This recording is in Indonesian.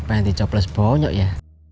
siapa yang dicoblos bonyok ya